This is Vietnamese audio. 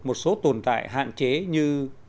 một số tồn tại hạn chế như